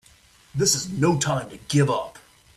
This is no time to give up!